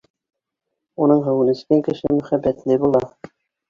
Уның һыуын эскән кеше мөхәббәтле була